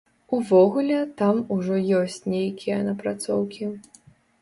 Увогуле, там ужо ёсць нейкія напрацоўкі.